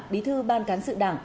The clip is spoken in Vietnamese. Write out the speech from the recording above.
bí thư ban cán sự đảng